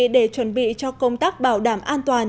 để chuẩn bị cho công tác bảo đảm an toàn